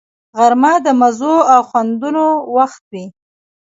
غرمه د مزو او خوندونو وخت وي